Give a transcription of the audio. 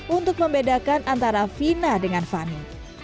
untuk membedakan antara fina dengan fani